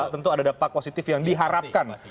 tentu ada dampak positif yang diharapkan